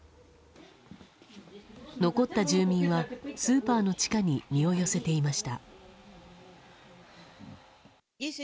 残った住民は、スーパーの地下に身を寄せていました。